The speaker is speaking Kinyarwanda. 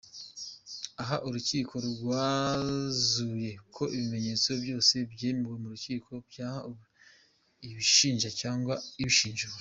Aha urukiko rwanzuye ko ibimenyetso byose byemewe mu rukiko, byaba ibishinja cyangwa ibishinjura.